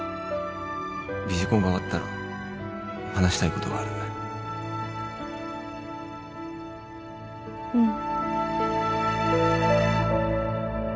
ビジコンが終わったら話したいことがあるうん